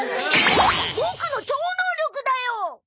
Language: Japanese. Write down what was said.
ボクの超能力だよ！